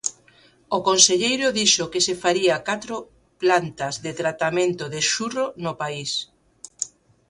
O conselleiro dixo que se faría catro plantas de tratamento de xurro no país.